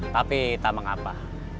tapi tak mengapa